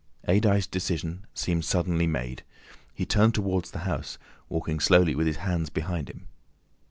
Adye's decision seemed suddenly made. He turned towards the house, walking slowly with his hands behind him.